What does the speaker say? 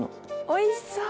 おいしそう！